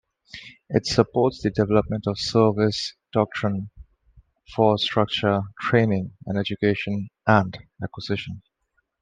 It supports the development of service doctrine, force structure, training and education, and acquisition.